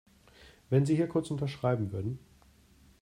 Wenn Sie hier kurz unterschreiben würden.